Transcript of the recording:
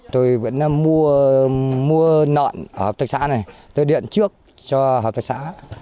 tôi vẫn mua lợn ở hợp tác xã này tôi điện trước cho hợp tác xã